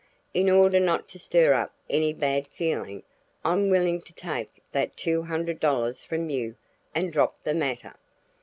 In order not to stir up any bad feeling I'm willing to take that two hundred dollars from you and drop the matter."